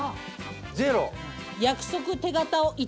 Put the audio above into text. ゼロ。